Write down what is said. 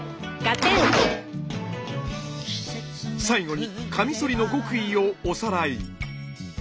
最後にカミソリの極意をおさらい。